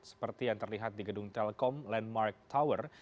seperti yang terlihat di gedung telkom landmark tower